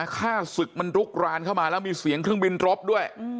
ฆ่าศึกมันลุกรานเข้ามาแล้วมีเสียงเครื่องบินรบด้วย